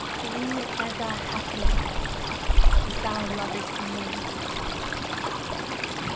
Be ever happy, As thou lov'st me!